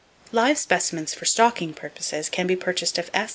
Live specimens for stocking purposes can be purchased of S.